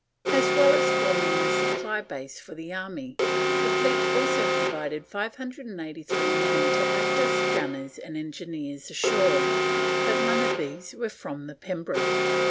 As well as forming the supply base for the army, the fleet also provided 583 men to act as gunners and engineers ashore; but none of these were from the Pembroke.